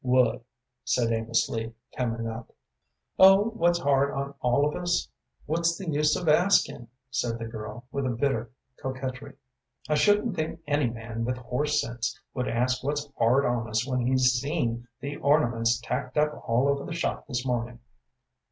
"What?" said Amos Lee, coming up. "Oh, what's hard on all of us? What's the use of asking?" said the girl, with a bitter coquetry. "I shouldn't think any man with horse sense would ask what's hard on us when he's seen the ornaments tacked up all over the shop this morning."